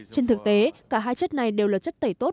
trên thực tế cả hai chất này đều là chất tẩy tốt